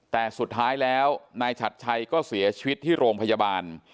แต่สุดท้ายแล้วนายฉัดชัยก็เสียชีวิตที่โรงพยาบาล